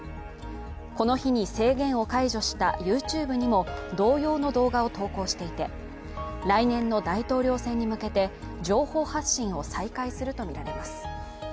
この日に制限を解除したＹｏｕＴｕｂｅにも同様の動画を投稿していて、来年の大統領選に向けて情報発信を再開するとみられます。